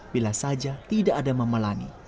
bila saja tidak ada mama lani